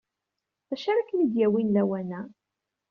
D acu ara kem-id-yawin lawan-a?